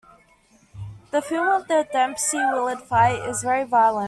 The film of the Dempsey-Willard fight is very violent.